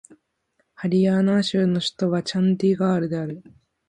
ハリヤーナー州の州都はチャンディーガルである